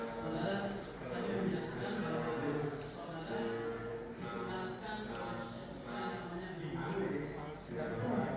kemudian mempromosikan melalui video